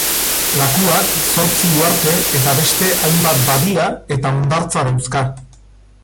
Lakuak zortzi uharte, eta beste hainbat badia eta hondartza dauzka.